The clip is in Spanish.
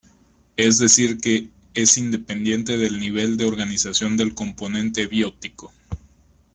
Es decir que es independiente del nivel de organización del componente biótico.